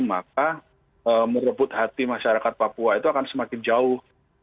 maka merebut hati masyarakat papua itu akan semakin jauh